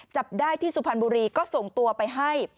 จับได้ที่สุพรรณบุรีก็ส่งตัวไปให้